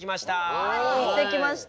はい行ってきました。